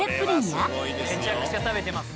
「めちゃくちゃ食べてます」